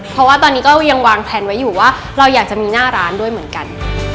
เพราะว่าตอนนี้ก็ยังวางแพลนไว้อยู่ว่าเราอยากจะมีหน้าร้านด้วยเหมือนกัน